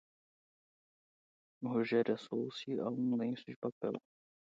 O Rogério assou-se a um lenço de papel.